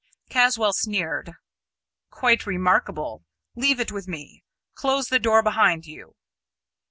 Caswall sneered. "Quite remarkable! Leave it with me. Close the door behind you.